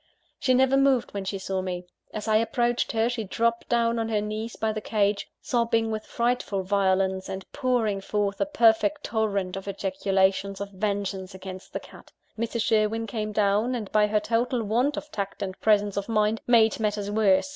She never moved when she saw me. As I approached her, she dropped down on her knees by the cage, sobbing with frightful violence, and pouring forth a perfect torrent of ejaculations of vengeance against the cat. Mrs. Sherwin came down; and by her total want of tact and presence of mind, made matters worse.